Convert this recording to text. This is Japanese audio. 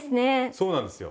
そうなんですよ。